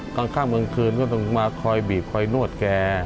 กลางข้างกลางคืนก็ต้องมาคอยบีบคอยนวดแก